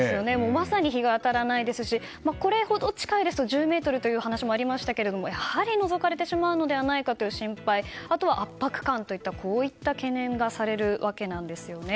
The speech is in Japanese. まさに日が当たらないですしこれほど近いと１０ｍという話もありましたがやはりのぞかれてしまうのではという心配、あとは圧迫感という懸念がされるわけです。